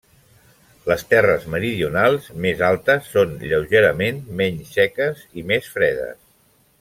Les terres meridionals, més altes, són lleugerament menys seques i més fredes.